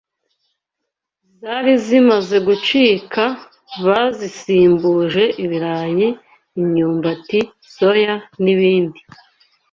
zari zimaze gucika, bazisimbuje ibirayi, imyumbati, soya n’ibindi